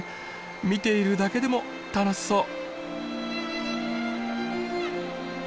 見ているだけでも楽しそう。